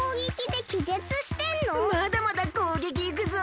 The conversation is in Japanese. まだまだこうげきいくぞ！